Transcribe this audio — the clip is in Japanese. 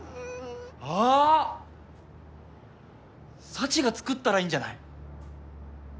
サチが作ったらいいんじゃない？